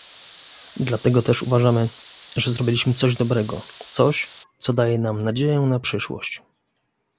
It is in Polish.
Dlatego też uważamy, że zrobiliśmy coś dobrego, coś, co daje nam nadzieję na przyszłość